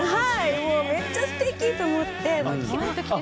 もうめっちゃすてきと思ってキュンときて。